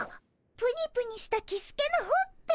ぷにぷにしたキスケのほっぺ。